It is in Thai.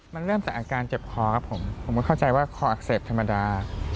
มันเริ่มจากอาการเจ็บคอครับผมผมก็เข้าใจว่าคออักเสบธรรมดา